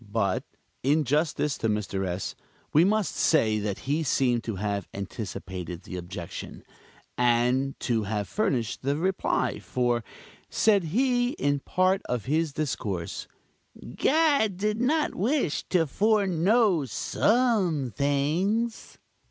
But, in justice to Mr. S., we must say that he seemed to have anticipated the objection, and to have furnished the reply; for, said he, in one part of his discourse, "God did not wish to foreknow some things!"